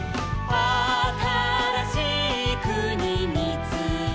「あたらしいくにみつけに」